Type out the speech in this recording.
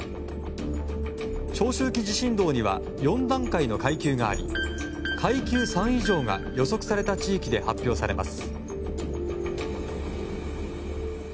長周期地震動には４段階の階級があり階級３以上が予測された地域で発表されます。